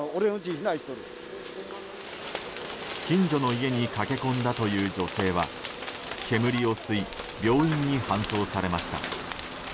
近所の家に駆け込んだという女性は煙を吸い病院に搬送されました。